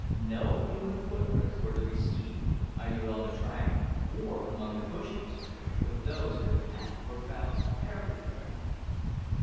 No human footprints were to be seen either on the track or among the bushes, but those of the cat were found everywhere.